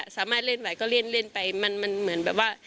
สามารถเล่นไหวก็เล่นไปมันเหมือนแบบว่า